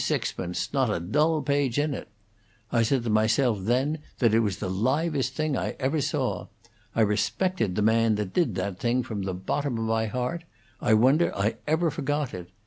Sixpence. Not a dull page in it.' I said to myself then that it was the livest thing I ever saw. I respected the man that did that thing from the bottom of my heart. I wonder I ever forgot it.